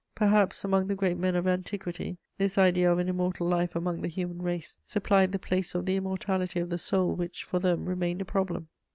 Perhaps, among the great men of antiquity, this idea of an immortal life among the human race supplied the place of the immortality of the soul which for them remained a problem.